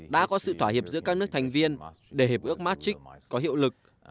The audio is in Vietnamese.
đã có sự thỏa hiệp giữa các nước thành viên để hiệp ước martrix có hiệu lực